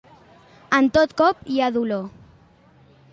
En tot cop hi ha dolor.